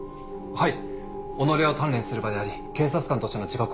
はい。